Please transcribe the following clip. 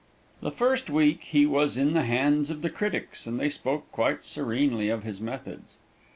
The first week he was in the hands of the critics, and they spoke quite serenely of his methods.